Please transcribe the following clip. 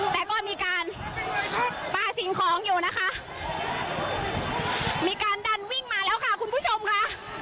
แต่ก็มีการปลาสิ่งของอยู่นะคะมีการดันวิ่งมาแล้วค่ะคุณผู้ชมค่ะ